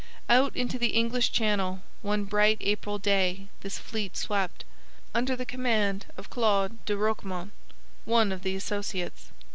Out into the English Channel one bright April day this fleet swept, under the command of Claude de Roquemont, one of the Associates.